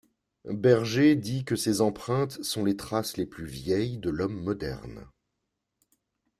Berger dit que ces empreintes sont les traces les plus vieilles de l'homme moderne.